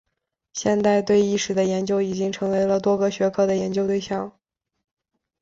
现代对意识的研究已经成为了多个学科的研究对象。